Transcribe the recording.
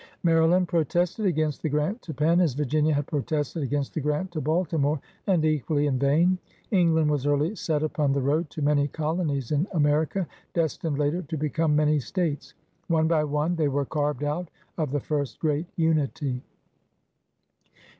Maryland protested against the grant to Penn, as Virginia had protested against the grant to Baltimore — and equally in vain. England was early set upon the road to many colonies in America, destined later to become many States. One by one they were carved out of the first great unity.